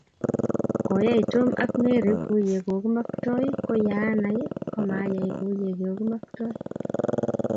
koyai tom Ak Mary kuyekokimaktoi ko yahana komayai kuyee kokimaktoi